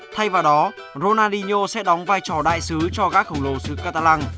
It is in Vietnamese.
thay vào đó ronaldinho sẽ đóng vai trò đại sứ cho gã khổng lồ xứ catalang